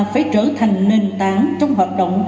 phải trở thành nền tảng trong hoạt động